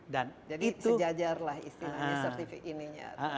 jadi sejajarlah istilahnya sertifikatnya